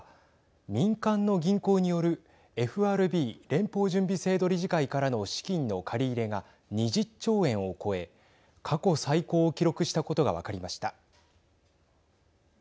民間の銀行によるＦＲＢ＝連邦準備制度理事会からの資金の借り入れが２０兆円を超え過去最高を記録したことが分かりました。